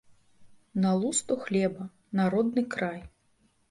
На лусту хлеба, на родны край.